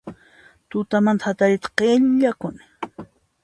Tutamanta hatariyta qillakuni